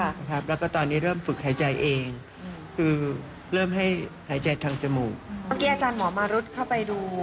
อะกี้อาจารย์เหมาะมารุทิ์เข้าไปดูเหมาะว่าอย่างไรบ้างคะ